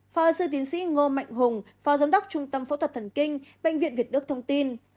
phó sư tiến sĩ ngô mạnh hùng phó giám đốc trung tâm phẫu thuật thần kinh bệnh viện việt đức thông tin